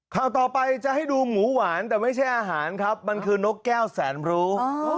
ข่าวต่อไปจะให้ดูหมูหวานแต่ไม่ใช่อาหารครับมันคือนกแก้วแสนรู้